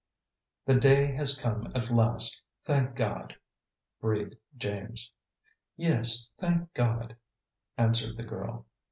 "The day has come at last, thank God!" breathed James. "Yes, thank God!" answered the girl.